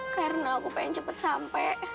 karena aku cintai